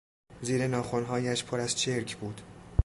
زیر ناخنهایش پر از چرک بود.